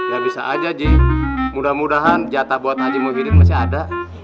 ya bisa aja ji mudah mudahan jatah buat haji muhyidin masih ada